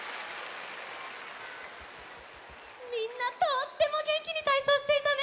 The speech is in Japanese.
みんなとってもげんきにたいそうしていたね。